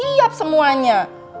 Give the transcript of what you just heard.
udah siap semuanya